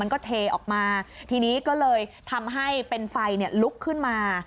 ก็เทออกมาทีนี้ก็เลยทำให้เป็นไฟลุกขึ้นมา